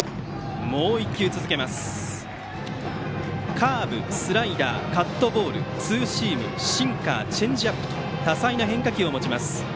カーブ、スライダーカットボールツーシーム、シンカーチェンジアップと多彩な変化球を持ちます。